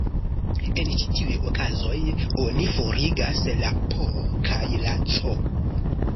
En ĉi tiuj okazoj, oni forigas la "P" kaj la "C".